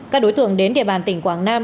các đối tượng đến địa bàn tỉnh quảng nam